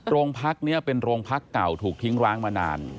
โรงพักนี้เป็นโรงพักเก่าถูกทิ้งร้างมานาน